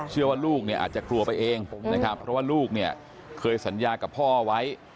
เชื่อว่าลูกเนี่ยอาจจะกลัวไปเองนะครับเพราะว่าลูกเนี่ยเคยสัญญากับพ่อไว้